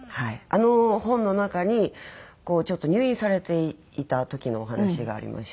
あの本の中にちょっと入院されていた時のお話がありまして。